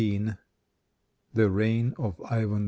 THE REIGN OF IVAN IV.